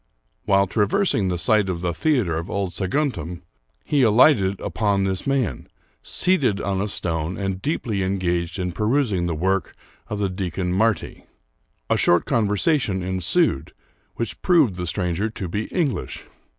While traversing the site of the theater of old Saguntum, he alighted upon this man, seated on a stone, and deeply engaged in perusing the work of the deacon Marti. A short conversation ensued, which proved the stranger to be English.